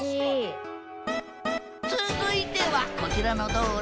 続いてはこちらの道路。